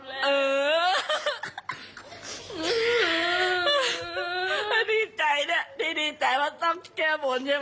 ดีใจเนี่ยที่ดีใจมาตำแก้โบนใช่ไหม